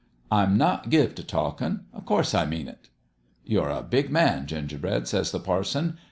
' I'm not give t' talkin'. O' course, I mean it !'"' You're a big man, Gingerbread/ says the parson.